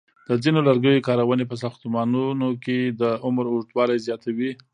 د ځینو لرګیو کارونې په ساختمانونو کې د عمر اوږدوالی زیاتوي.